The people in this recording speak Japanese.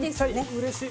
うれしい。